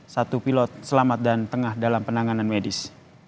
satu pilot selamat dan tengah dalam penanganan medis